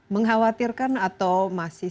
mengkhawatirkan atau masih